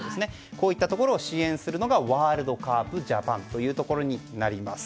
こういったところを支援するのがワールドカープ・ジャパンとなります。